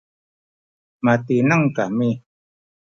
matineng kami